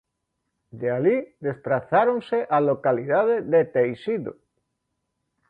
De alí, desprazáronse á localidade de Teixido.